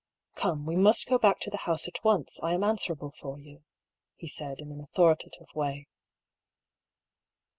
" Come, we must go back to the house at once ; I am answerable for you," he said in an authoritative way.